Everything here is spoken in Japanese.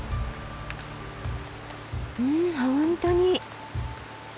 うん本当に。